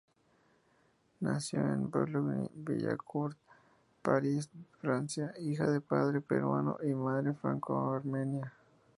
Nació en Boulogne-Billancourt, París, Francia, hija de padre peruano y madre franco-armenia.